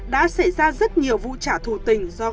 đã xảy ra rất nhiều vụ trả thù tình do ghen tình